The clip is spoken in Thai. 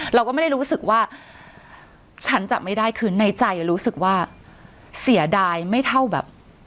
เราก็ไม่ได้รู้สึกว่าฉันจะไม่ได้คือในใจรู้สึกว่าเสียดายไม่เท่าแบบ